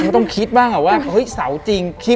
ต้องคิดบ้างเหรอว่าเฮ้ยเสาจริง